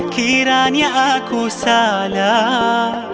kiranya aku salah